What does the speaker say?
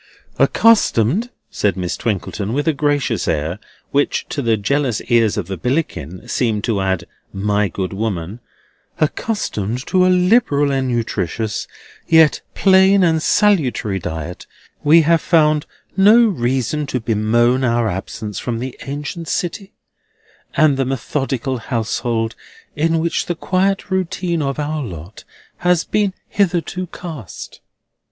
"Accustomed," said Miss Twinkleton with a gracious air, which to the jealous ears of the Billickin seemed to add "my good woman"—"accustomed to a liberal and nutritious, yet plain and salutary diet, we have found no reason to bemoan our absence from the ancient city, and the methodical household, in which the quiet routine of our lot has been hitherto cast."